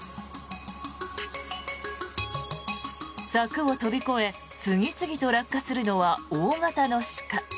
柵を飛び越え次々と落下するのは大型の鹿。